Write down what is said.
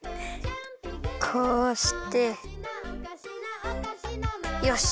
こうしてよし。